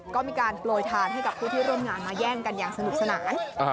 ก็มีการโปรยทานให้กับผู้ที่ร่วมงานมาแย่งกันอย่างสนุกสนาน